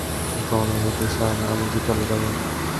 Ganapati sir, আমি কী চলে যাবো?